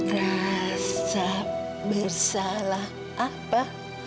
rasa bersalah apa